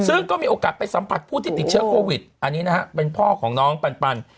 ซึ่งก็มีโอกาสไปสัมผัสผู้ที่ติดเชื้อโควิดอันนี้นะฮะเป็นพ่อของน้องปัน